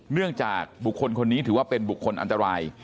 เนื่องจากบุคคลคนนี้ถือว่าเป็นบุคคลอันตราย